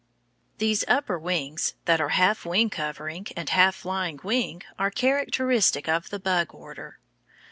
These upper wings, that are half wing cover and half flying wing, are characteristic of the bug order.